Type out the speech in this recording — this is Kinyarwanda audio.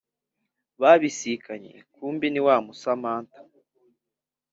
babisikanye kumbe niwa musamantha